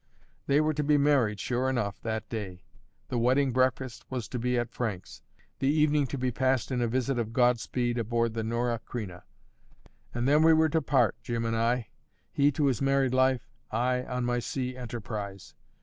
They were to be married, sure enough, that day; the wedding breakfast was to be at Frank's; the evening to be passed in a visit of God speed aboard the Norah Creina; and then we were to part, Jim and I, he to his married life, I on my sea enterprise.